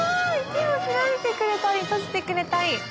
手を開いてくれたり閉じてくれたり。